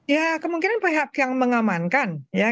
ya kemungkinan pihak yang mengamankan ya